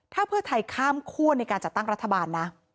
ถ้าเพื่อไทยข้ามคั่วในการจัดตั้งรัฐบาลนะ